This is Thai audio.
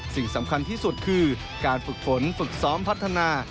สิ่งสำคัญที่สุดคือการฝึกฝนฝึกซ้อมพัฒนา